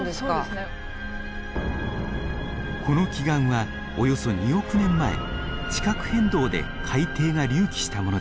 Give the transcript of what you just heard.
この奇岩はおよそ２億年前地殻変動で海底が隆起したものです。